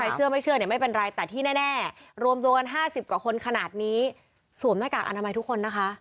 เชื่อไม่เชื่อเนี่ยไม่เป็นไรแต่ที่แน่รวมตัวกัน๕๐กว่าคนขนาดนี้สวมหน้ากากอนามัยทุกคนนะคะ